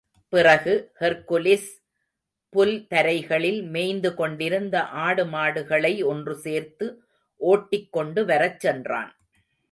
பிறகு, ஹெர்க்குலிஸ், புல் தரைகளில் மேய்ந்துகொண்டிருந்த ஆடு மாடுகளை ஒன்றுசேர்த்து ஓட்டிக் கொண்டு வரச் சென்றான்.